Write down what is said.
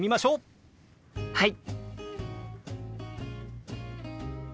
はい！